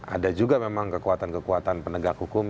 ada juga memang kekuatan kekuatan penegak hukum